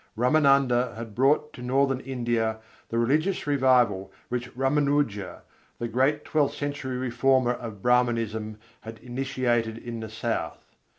Râmânanda had brought to Northern India the religious revival which Râmânuja, the great twelfth century reformer of Brâhmanism, had initiated in the South.